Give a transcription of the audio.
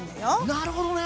なるほどね！